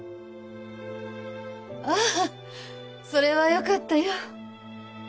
ああそれはよかったよ。